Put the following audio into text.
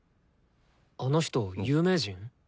あの人有名人？